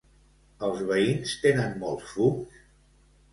Els veïns tenen molts fums?